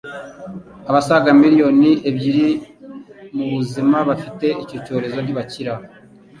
Abasaga Million ebyiri mu buzima bafite icyo cyorezo ntibakira